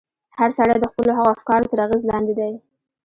هر سړی د خپلو هغو افکارو تر اغېز لاندې دی.